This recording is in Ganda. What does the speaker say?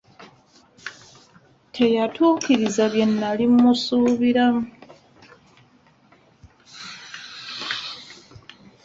Teyatuukiriza bye nali mmusuubiramu.